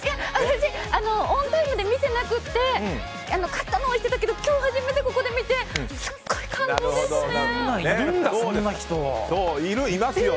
オンタイムで見てなくって勝ったのは知ってたけど今日初めてここで見てすごい感動ですね。